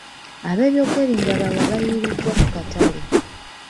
Abeebyokwerinda abalala baayiiriddwa ku katale